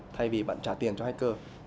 thay vì bạn trả tiền cho hacker